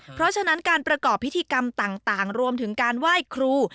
เพราะฉะนั้นการประกอบพิธีกรรมต่างรวมถึงการไหว้ครู